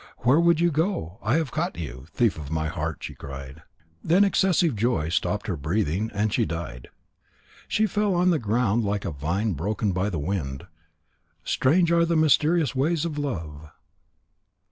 "Where would you go? I have caught you, thief of my heart!" she cried. Then excessive joy stopped her breathing and she died. She fell on the ground like a vine broken by the wind. Strange are the mysterious ways of Love.